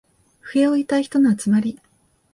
不平を言いたい人の集まり